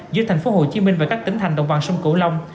giữa tp hcm và các tỉnh thành đồng bằng sông cửu long